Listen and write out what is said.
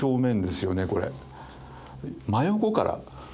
真横から。